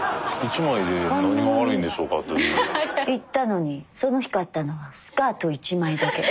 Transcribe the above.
行ったのにその日買ったのはスカート１枚だけ。